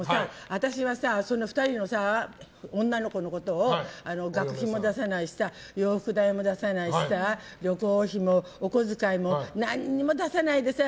私はその２人の女の子のことを学費も出さないしさ洋服代も出さないしさ旅行費もお小遣いも何も出さないでさ